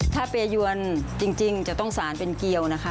ถ้าเปยวนจริงจะต้องสารเป็นเกียวนะคะ